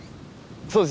そうです。